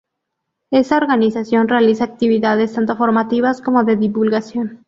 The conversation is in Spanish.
Esta organización realiza actividades tanto formativas como de divulgación.